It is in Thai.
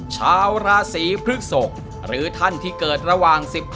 ชาวราศีพฤกษกหรือท่านที่เกิดระหว่าง๑๕